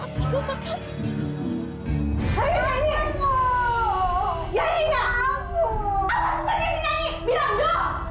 hai kamu aklanmu jahit banget ngudi ganggu